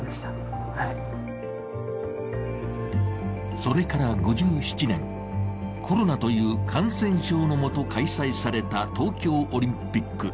それから５７年コロナという感染症のもと開催された東京オリンピック。